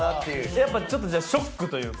やっぱじゃあショックというか。